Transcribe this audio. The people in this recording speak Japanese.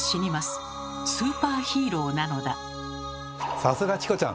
さすがチコちゃん！